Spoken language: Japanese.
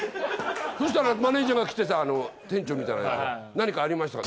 そしたらマネージャーが来てさ店長みたいなヤツが「何かありましたか？」